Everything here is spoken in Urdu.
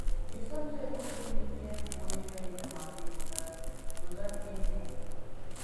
جسم سے روح بھی نکلےہوئے کئی زمانے گزر گے ہیں